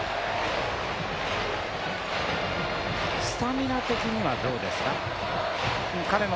スタミナ的にはどうですか？